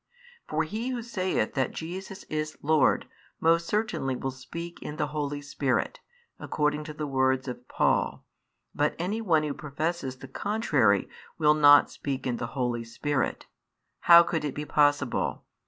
For he who saith that Jesus is Lord most certainly will speak in the Holy Spirit, according to the words of Paul; but any one who professes the contrary will not speak in the Holy Spirit, (how could it be possible?)